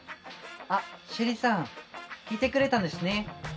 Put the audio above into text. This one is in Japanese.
あシェリさん来てくれたんですね。